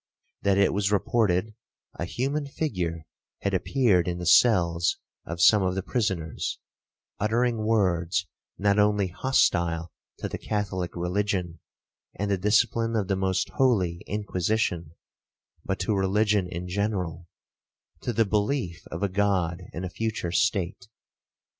That it was reported a human figure had appeared in the cells of some of the prisoners, uttering words not only hostile to the Catholic religion, and the discipline of the most holy Inquisition, but to religion in general, to the belief of a God and a future state.